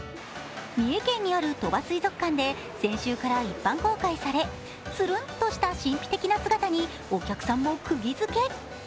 三重県にある鳥羽水族館で先週から一般公開されつるんっとした神秘的な姿にお客さんもくぎづけ。